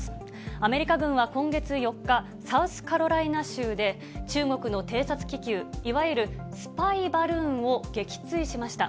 アメリカ軍は今月４日、サウスカロライナ州で中国の偵察気球、いわゆるスパイバルーンを撃墜しました。